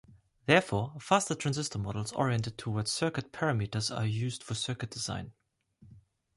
Therefore, faster transistor models oriented toward circuit parameters are used for circuit design.